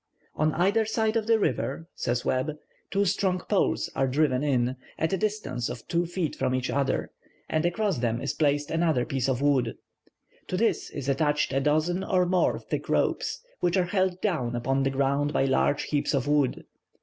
"On either side of the river," says Webb, "two strong poles are driven in, at a distance of two feet from each other, and across them is placed another piece of wood. To this is attached a dozen or more thick ropes, which are held down upon the ground by large heaps of wood.